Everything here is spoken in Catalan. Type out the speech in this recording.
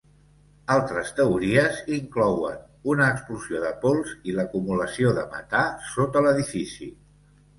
Altres teories inclouen una explosió de pols i l'acumulació de metà sota l'edifici.